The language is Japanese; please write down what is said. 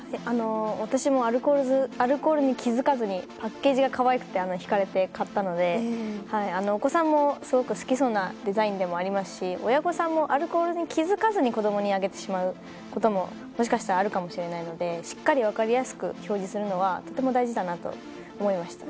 私もアルコールに気づかずにパッケージが可愛くてそれに引かれて買ったのでお子さんもすごく好きそうなデザインでもありますし親御さんもアルコールに気づかずに子供にあげてしまうことももしかしたらあるかもしれないのでしっかり分かりやすく表示するのはとても大事だなと思いましたね。